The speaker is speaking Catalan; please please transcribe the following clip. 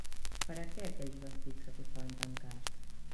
Per a què aquells vestits que costaven tan cars?